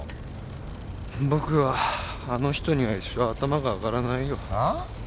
僕はあの人には一生頭が上がらないよ